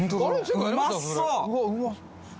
うまそう！